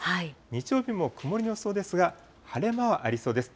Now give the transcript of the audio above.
日曜日も曇りの予想ですが、晴れ間はありそうです。